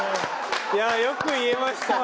いやあよく言えましたね。